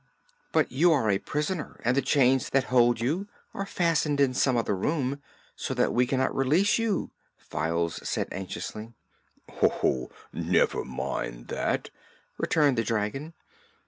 "But you are a prisoner, and the chains that hold you are fastened in some other room, so that we cannot release you," Files said anxiously. "Oh, never mind that," returned the dragon.